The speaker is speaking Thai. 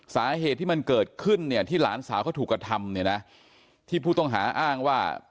สาเหตุที่มันเกิดขึ้นเนี่ยที่หลานสาวเขาถูกกระทำเนี่ยนะที่ผู้ต้องหาอ้างว่า